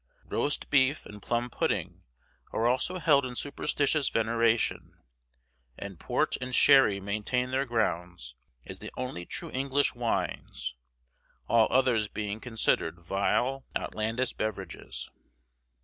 Roast beef and plum pudding are also held in superstitious veneration, and port and sherry maintain their grounds as the only true English wines, all others being considered vile outlandish beverages.